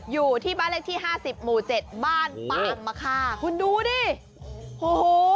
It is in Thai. อยู่ที่บ้านเลขที่ห้าสิบหมู่เจ็ดบ้านปางมะค่าคุณดูดิโอ้โห